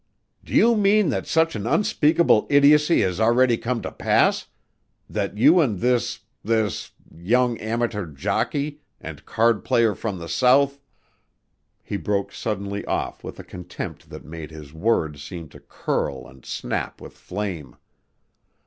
"Do you mean that such an unspeakable idiocy has already come to pass that you and this this young amateur jockey and card player from the South " He broke suddenly off with a contempt that made his words seem to curl and snap with flame.